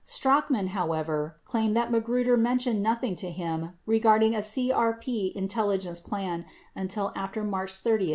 58 Strachan, however, claimed that Magruder mentioned nothing to him regarding a CRP intelligence plan until after March 30, 1972.